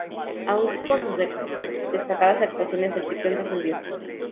Aún con sus destacadas actuaciones, el "ciclón" descendió.